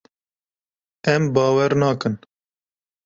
Em bawer nakin.